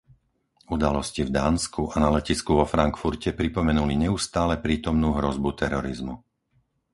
Udalosti v Dánsku a na letisku vo Frankfurte pripomenuli neustále prítomnú hrozbu terorizmu.